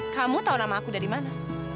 kamu tahu nama aku dari mana